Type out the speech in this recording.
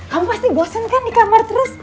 kamu pasti bosen kan di kamar terus